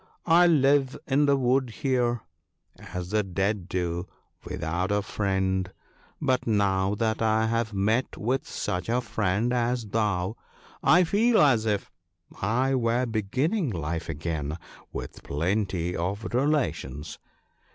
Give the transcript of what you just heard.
" I live in the wood here, as the dead do, without a friend ; but now that I have met with such a friend as thou, I feel as if I were beginning life again with plenty of relations.